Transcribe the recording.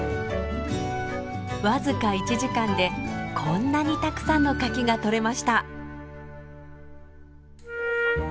僅か１時間でこんなにたくさんの柿が採れました。